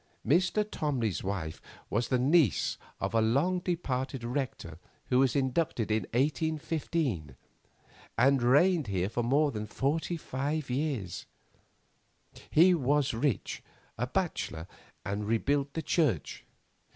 Mr. Tomley's wife was the niece of a long departed rector who was inducted in 1815, and reigned here for forty five years. He was rich, a bachelor, and rebuilt the church.